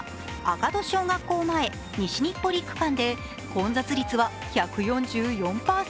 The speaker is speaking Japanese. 赤土小学校前−西日暮里区間で混雑率は１４４％。